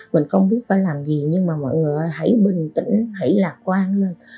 mình không biết phải làm gì nhưng mà mọi người hãy bình tĩnh hãy lạc quan lên